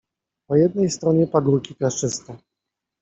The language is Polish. Po jednej stronie pagórki piaszczyste.